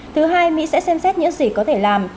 thứ hai mỹ sẽ xem xét những gì có thể làm